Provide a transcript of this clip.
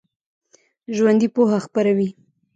ژوندي پوهه خپروي